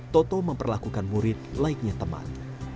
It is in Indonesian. toto memperlakukan murid laiknya teman